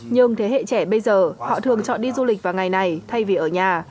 nhưng thế hệ trẻ bây giờ họ thường chọn đi du lịch vào ngày này thay vì ở nhà